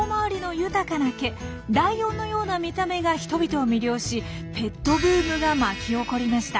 ライオンのような見た目が人々を魅了しペットブームが巻き起こりました。